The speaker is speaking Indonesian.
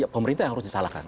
pemerintah yang harus disalahkan